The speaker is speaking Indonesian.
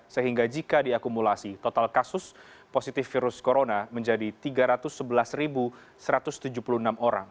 sehingga jika diakumulasi total kasus positif virus corona menjadi tiga ratus sebelas satu ratus tujuh puluh enam orang